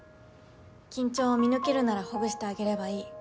緊張を見抜けるならほぐしてあげればいい。